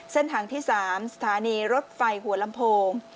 เส้นทางที่๓สถานีรถไฟหัวลำโพง